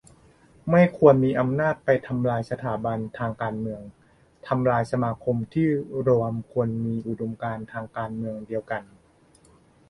ไม่ควรมีอำนาจไปทำลายสถาบันทางการเมือง ทำลายสมาคมที่รวมคนมีอุดมการณ์ทางการเมืองเดียวกัน